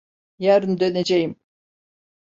Yarın döneceğim.